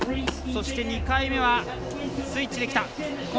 そして、２回目はスイッチできた。